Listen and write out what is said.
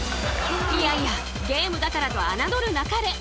いやいやゲームだからと侮るなかれ。